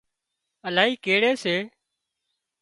الاهي ڪيڙي سي